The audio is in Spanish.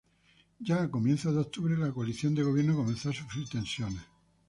Ya a comienzos de octubre, la coalición de gobierno comenzó a sufrir tensiones.